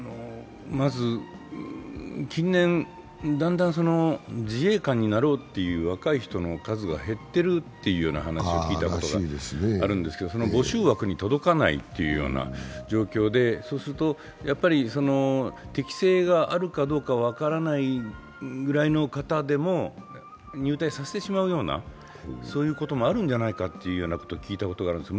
近年、だんだん自衛官になろうっていう若い人の数が減っていると聞いたことがあるんですがその募集枠に届かないという状況で、そうすると適性があるかどうか分からないぐらいの方でも入隊させてしまうような、そういうこともあるんじゃないかっていうことを聞いたことがあるんです。